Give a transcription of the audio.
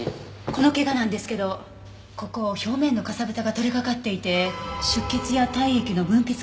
このけがなんですけどここ表面のかさぶたが取れかかっていて出血や体液の分泌がないようなんですが。